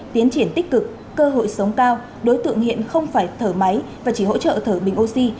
tiến triển tích cực cơ hội sống cao đối tượng hiện không phải thở máy và chỉ hỗ trợ thở bình oxy